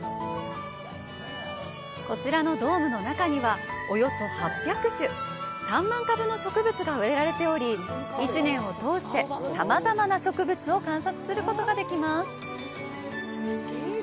こちらのドームの中には、およそ８００種、３万株の植物が植えられており、１年を通して、さまざまな植物を観察することができます。